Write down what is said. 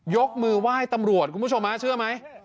ยกมือไหว้ตำรวจคุณผู้ชมเชื่อไหม